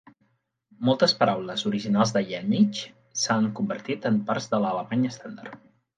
Moltes paraules originals de Yeniche s'han convertit en parts de l'alemany estàndard.